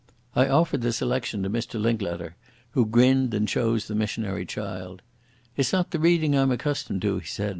I offered the selection to Mr Linklater, who grinned and chose the Missionary Child. "It's not the reading I'm accustomed to," he said.